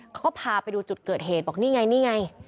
เขาก็พาไปดูจุดเกิดเหตุบอกนี่ไงนี่ไง